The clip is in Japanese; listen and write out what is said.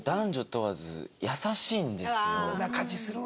そんな感じするわ。